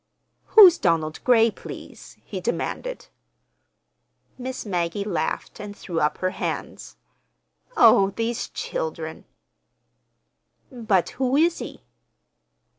"Who's Donald Gray, please?" he demanded. Miss Maggie laughed and threw up her hands. "Oh, these children!" "But who is he?"